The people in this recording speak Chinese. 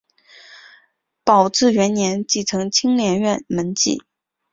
宝治元年继承青莲院门迹。